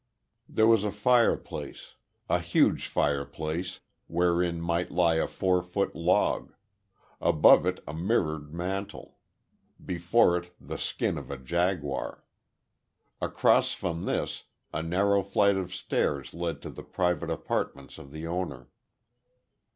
There was a fireplace a huge fireplace wherein might lie a four foot log; above it a mirrored mantel; before it the skin of a jaguar. Across from this, a narrow flight of stairs led to the private apartments of the owner.